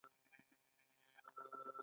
زړه د محبت له امله تل خوږېږي.